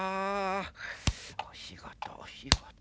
おしごとおしごと。